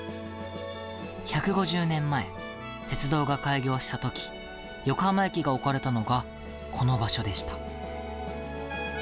１５０年前、鉄道が開業した時横浜駅が置かれたのがこの場所でした。